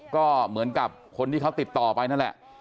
ก็เหมือนกับคนที่เขาติดต่อไปนั่นแหละ